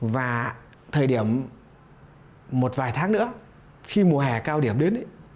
và thời điểm một vài tháng nữa khi mùa hè cao điểm đến